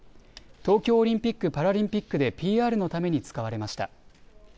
東京オリンピック・パラリンピックでＰＲのために使われました。